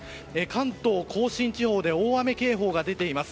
関東・甲信地方で大雨警報が出ています。